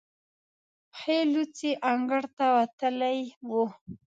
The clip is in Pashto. پښې لوڅې انګړ ته وتلې وه.